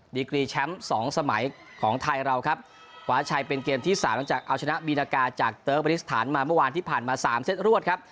ดีกรีแชมป์สองสมัยของไทยเราครับขวาชัยเป็นเกมที่สามหลังจากเอาชนะบีนากาจากเติร์กบริสถานมาเมื่อวานที่ผ่านมาสามเซตรวดครับ